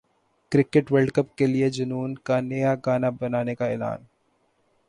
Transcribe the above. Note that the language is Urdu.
کرکٹ ورلڈ کپ کے لیے جنون کا نیا گانا بنانے کا اعلان